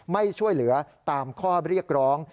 ไม่ช่วยเหลือตามข้อเรียกร้อง